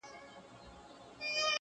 پر دې دُنیا سوځم پر هغه دُنیا هم سوځمه.